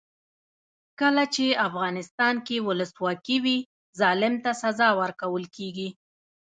کله چې افغانستان کې ولسواکي وي ظالم ته سزا ورکول کیږي.